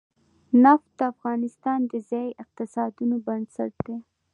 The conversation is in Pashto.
نفت د افغانستان د ځایي اقتصادونو بنسټ دی.